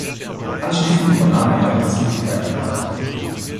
Anschließend übernahm erneut das Militär die Macht.